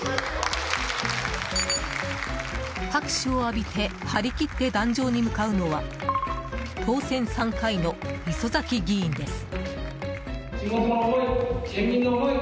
拍手を浴びて張り切って壇上に向かうのは当選３回の磯崎議員です。